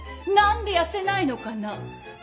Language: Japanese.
何で痩せないのかな？